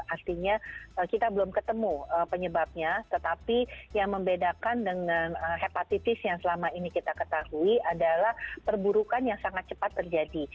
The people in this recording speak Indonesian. artinya kita belum ketemu penyebabnya tetapi yang membedakan dengan hepatitis yang selama ini kita ketahui adalah perburukan yang sangat cepat terjadi